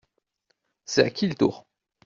C’est à qui le tour ?